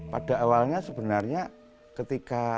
pada awalnya sebenarnya ketika